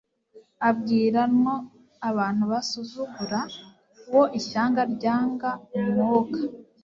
abwira nwo abantu basuzugura. Uwo ishyanga ryanga umwuka,